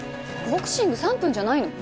ボクシング３分じゃないの？